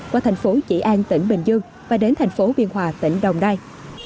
qua tp dị an tỉnh bình dương và đến tp biên hòa tỉnh đồng nai